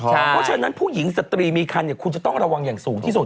เพราะฉะนั้นผู้หญิงสตรีมีคันคุณจะต้องระวังอย่างสูงที่สุด